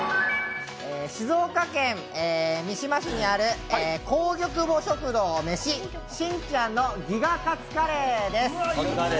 静岡県三島市にある光玉母食堂めししんちゃんのギガかつカレーです。